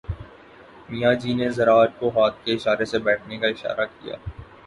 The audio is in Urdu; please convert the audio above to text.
میاں جی نے ضرار کو ہاتھ کے اشارے سے بیٹھنے کا اشارہ کیا